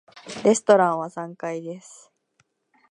レストランは三階です。